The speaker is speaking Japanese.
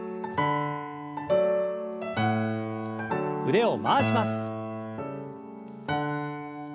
腕を回します。